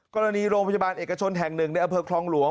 กรณีโรงพยาบาลเอกชนแห่งหนึ่งในอำเภอคลองหลวง